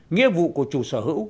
nghĩa vụ của chủ sở hữu